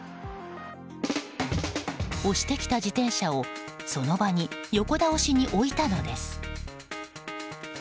押してきた自転車をその場に横倒しに置いたのです。